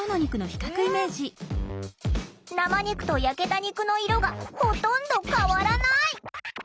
生肉と焼けた肉の色がほとんど変わらない！